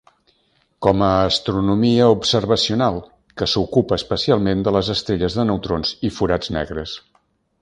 Com a astronomia observacional, que s'ocupa especialment de les estrelles de neutrons i forats negres.